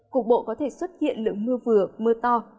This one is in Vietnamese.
cục bộ có thể xuất hiện lượng mưa vừa mưa to